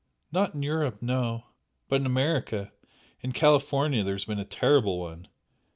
"Not in Europe no! But in America in California there has been a terrible one!"